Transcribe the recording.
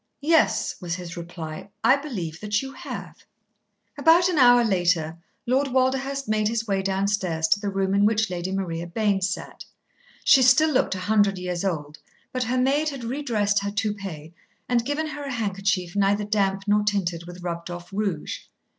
"Yes," was his reply. "I believe that you have." About an hour later Lord Walderhurst made his way downstairs to the room in which Lady Maria Bayne sat. She still looked a hundred years old, but her maid had redressed her toupee, and given her a handkerchief neither damp nor tinted with rubbed off rouge.